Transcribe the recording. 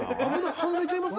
犯罪ちゃいます？